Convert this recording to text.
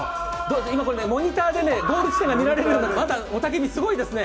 今、モニターでゴール地点で見られるんですが、雄たけびすごいですね。